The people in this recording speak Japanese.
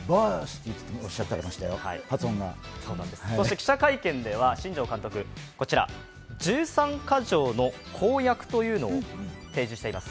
記者会見では新庄監督、１３箇条の公約というのを提示しています。